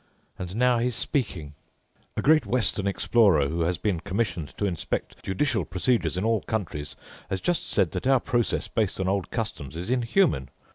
And now he's speaking: 'A great Western explorer who has been commissioned to inspect judicial procedures in all countries has just said that our process based on old customs is inhuman.